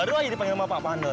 baru aja dipanggil mama pak pandor